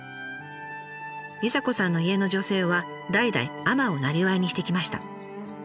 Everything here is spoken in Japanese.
美佐子さんの家の女性は代々海女をなりわいにしてきました。